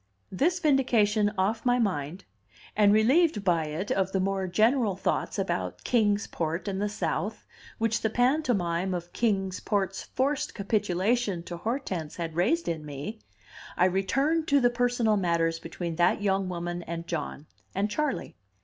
This vindication off my mind, and relieved by it of the more general thoughts about Kings Port and the South, which the pantomime of Kings Port's forced capitulation to Hortense had raised in me, I returned to the personal matters between that young woman and John, and Charley.